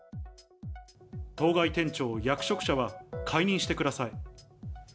当該店長、役職者は解任してください。